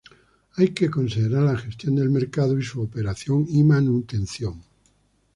Hay que considerar la gestión del mercado, y su operación y manutención.